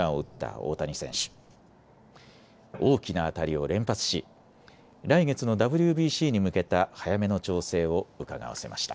大きな当たりを連発し来月のＷＢＣに向けた早めの調整をうかがわせました。